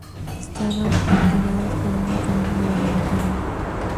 Estaban activadas por un mecanismo de relojería.